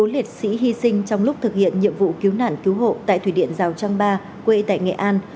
bốn liệt sĩ hy sinh trong lúc thực hiện nhiệm vụ cứu nạn cứu hộ tại thủy điện rào trang ba quê tại nghệ an